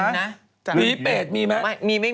จริงนะผีเปรตมีไหม